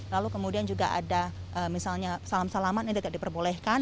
lalu kemudian juga ada misalnya salam salaman yang tidak diperbolehkan